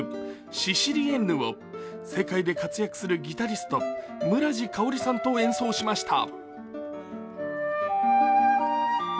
「シシリエンヌ」を世界で活躍するギタリスト村治佳織さんと演奏しました。